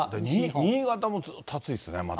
新潟もずーっと暑いですね、まだ。